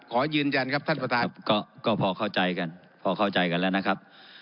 ขอยืนยันครับท่านประธานก็พอเข้าใจกันพอเข้าใจกันแล้วนะครับ